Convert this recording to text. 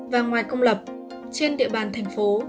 và ngoài công lập trên địa bàn thành phố